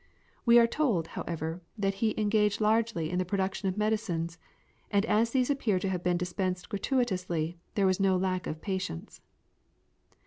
We are told, however, that he engaged largely in the production of medicines, and as these appear to have been dispensed gratuitously there was no lack of patients.